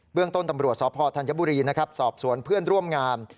เบื้องต้นตำรวจสพธัญบุรีสอบสวนเพื่อนร่วมงาม